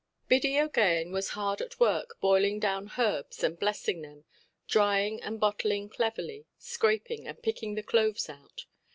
Biddy OʼGaghan was hard at work, boiling down herbs and blessing them, drying and bottling cleverly, scraping, and picking the cloves out.